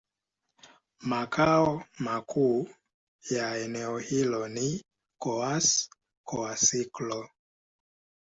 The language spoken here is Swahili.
Makao makuu ya eneo hilo ni Kouassi-Kouassikro.